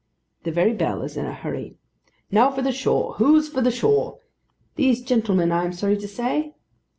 the very bell is in a hurry. 'Now for the shore—who's for the shore?'—'These gentlemen, I am sorry to say.